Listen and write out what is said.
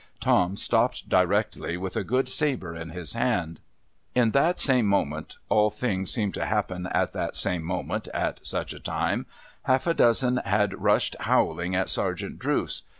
Tom stopped directly, with a good sabre in his hand. In that .same moment— all things seem to happen in that same moment, at such a time — half a dozen had rushed howling at Sergeant Drooce.